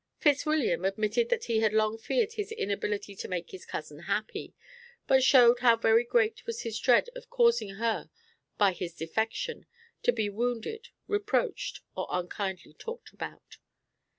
Fitzwilliam admitted that he had long feared his inability to make his cousin happy, but showed how very great was his dread of causing her, by his defection, to be wounded, reproached, or unkindly talked about.